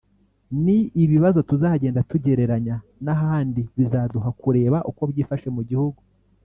ni ibibazo tuzagenda tugereranya n’ahandi bizaduha kureba uko byifashe mu gihugu